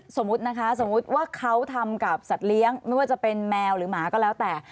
สมมุตินะคะสมมุติว่าเขาทำกับสัตว์เลี้ยงไม่ว่าจะเป็นแมวหรือหมาก็แล้วแต่